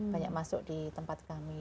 banyak masuk di tempat kami